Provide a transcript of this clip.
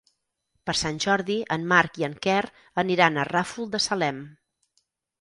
Per Sant Jordi en Marc i en Quer aniran al Ràfol de Salem.